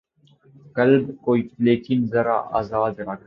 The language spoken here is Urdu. قلب کو لیکن ذرا آزاد رکھ